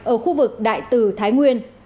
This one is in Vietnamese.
ở khu vực đại tờ thái nguyên